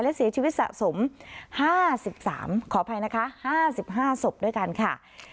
และเสียชีวิตสะสม๕๓ขออภัยนะคะ๕๕ศพด้วยกันค่ะ